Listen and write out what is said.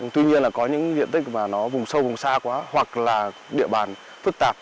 tuy nhiên là có những diện tích mà nó vùng sâu vùng xa quá hoặc là địa bàn phức tạp